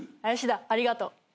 林田ありがとう。